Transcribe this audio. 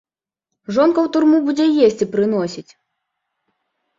Жонка ў турму будзе есці прыносіць.